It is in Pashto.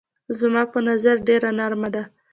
زما په نظر ډېره نرمه ده.